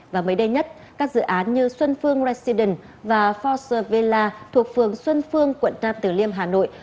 và mới đây nhất các dự án như xuân phương residence và forza villa thuộc phường xuân phương quận nam tử liêm hà nội